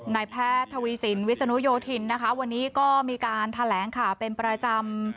นายแพทย์ทวีสินวิศนุโยธินนะคะวันนี้ก็มีการแถลงข่าวเป็นประจำ